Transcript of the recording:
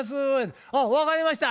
「あっ分かりました。